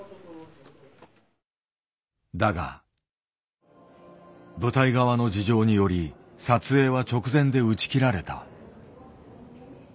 だが舞台側の事情により撮影は直前で打ち切られた。